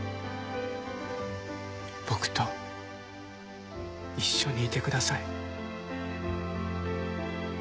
僕と一緒にいてください。